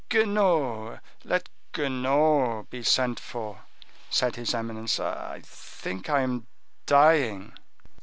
"Guenaud—let Guenaud be sent for," said his eminence. "I think I'm dying."